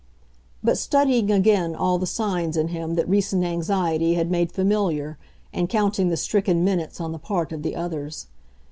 but studying again all the signs in him that recent anxiety had made familiar and counting the stricken minutes on the part of the others.